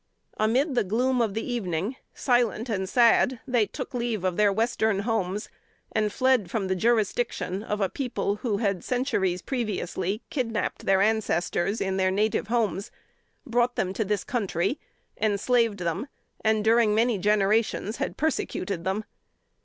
Amid the gloom of the evening, silent and sad they took leave of their western homes, and fled from the jurisdiction of a people who had centuries previously kidnapped their ancestors in their native homes, brought them to this country, enslaved them, and during many generations had persecuted them.